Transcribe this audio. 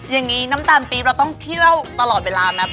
ยังไม่ร้อนแหละครับ